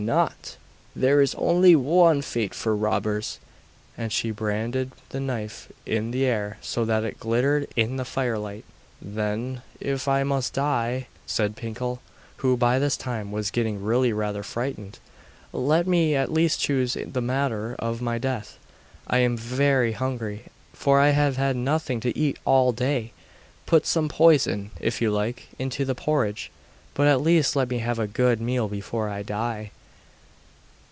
not! there is only one fate for robbers!' And she brandished the knife in the air so that it glittered in the firelight. 'Then, if I must die,' said Pinkel, who, by this time, was getting really rather frightened, 'let me at least choose the manner of my death. I am very hungry, for I have had nothing to eat all day. Put some poison, if you like, into the porridge, but at least let me have a good meal before I die.